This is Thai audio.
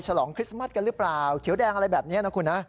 ลองคริสต์มัสกันหรือเปล่าเขียวแดงอะไรแบบนี้นะคุณนะ